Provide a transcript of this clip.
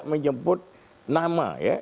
kami menyebut nama ya